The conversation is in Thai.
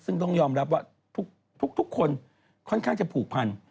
ซึ่งต้องยอมรับว่าทุกคนค่อนข้างจะผูกพัน